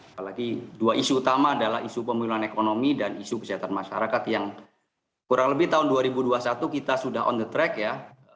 apalagi dua isu utama adalah isu pemilihan ekonomi dan isu kesehatan masyarakat yang kurang lebih tahun dua ribu dua puluh satu kita sudah on the track ya